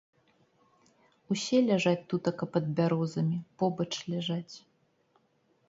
Усе ляжаць тутака пад бярозамі, побач ляжаць.